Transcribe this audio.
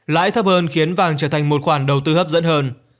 lãi thấp hơn khiến vàng trở thành một khoản đầu tư hấp dẫn hơn